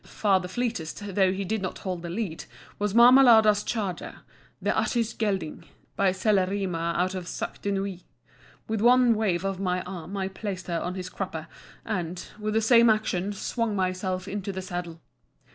Far the fleetest, though he did not hold the lead, was Marmalada's charger, the Atys gelding, by Celerima out of Sac de Nuit. With one wave of my arm I had placed her on his crupper, and, with the same action, swung myself into the saddle.